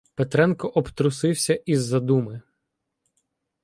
Петренко "обтрусився" із задуми.